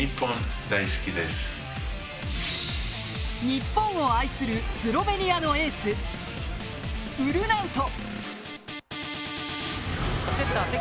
日本を愛するスロベニアのエースウルナウト。